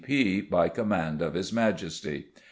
C.P. by command of His Majesty.